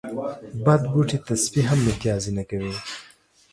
بد بوټي ته سپي هم متازې نه کوی